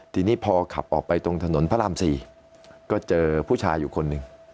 ทีนี้พอขับออกไปตรงถนนพระราม๔ก็เจอผู้ชายอยู่คนหนึ่ง